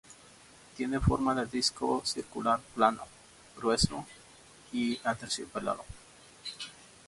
Tiene forma de disco circular plano, grueso y aterciopelado.